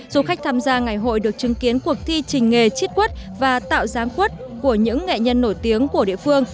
du khách tham gia ngày hội được chứng kiến cuộc thi trình nghề chít quất và tạo dáng quất của những nghệ nhân nổi tiếng của địa phương